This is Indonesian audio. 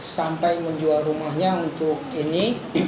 sampai menjual rumahnya untuk ini